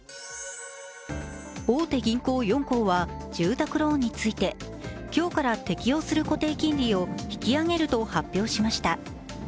大手銀行４行は住宅ローンについて今日から適用する固定金利を引き上げると発表しました。